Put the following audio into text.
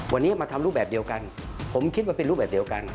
วันนี้มาทำรูปแบบเดียวกันผมคิดว่าเป็นรูปแบบเดียวกัน